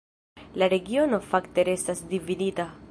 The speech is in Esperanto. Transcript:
La regiono fakte restas dividita.